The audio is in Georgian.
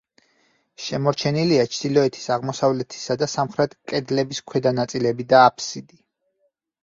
შემორჩენილია ჩრდილოეთის, აღმოსავლეთისა და სამხრეთ კედლების ქვედა ნაწილები და აფსიდი.